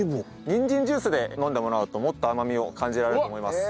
にんじんジュースで飲んでもらうともっと甘みを感じられると思います。